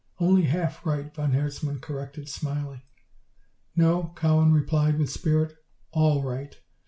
"Only half right," von Herzmann corrected, smiling. "No," Cowan replied with spirit, "all right.